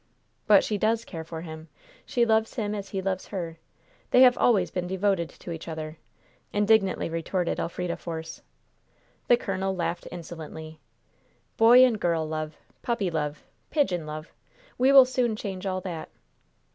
"But she does care for him. She loves him as he loves her. They have always been devoted to each other," indignantly retorted Elfrida Force. The colonel laughed insolently. "Boy and girl love! Puppy love! Pigeon love! We will soon change all that."